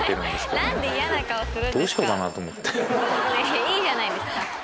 いいじゃないですか！